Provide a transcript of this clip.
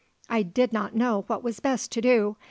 I did not know what was best to do.